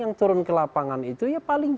yang turun ke lapangan itu ya paling